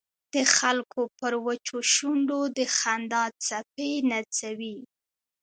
د خلکو پر وچو شونډو د خندا څپې نڅوي.